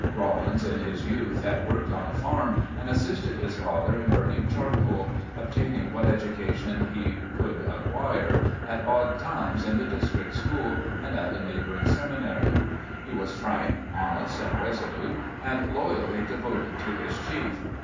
Eawlins in his youth had worked on a farm, and assisted his father in burning charcoal, obtaining what education he could acquire at odd times in the district school and at a neighboring seminary. He was frank, honest, and resolute, and loyally devoted to his chief.